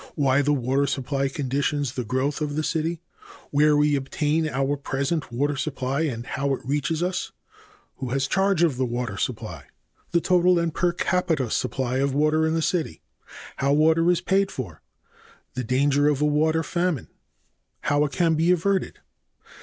b. Why the water supply conditions the growth of the city. c. Where we obtain our present water supply and how it reaches us. d. Who has charge of the water supply. e. The total and per capita supply of water in the city. f. How water is paid for. g. The danger of a water famine. 1. How it can be averted.